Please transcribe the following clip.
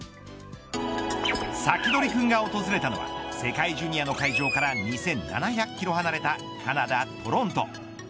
サキドリくんが訪れたのは世界ジュニアの会場から２７００キロ離れたカナダ、トロント。